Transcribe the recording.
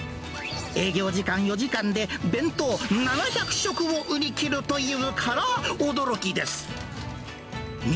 営業時間４時間で、弁当７００食を売り切るというから驚きです。